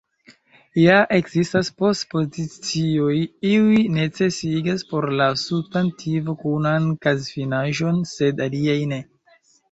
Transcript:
Ja ekzistas post-pozicioj; iuj necesigas por la substantivo kunan kazfinaĵon, sed aliaj ne.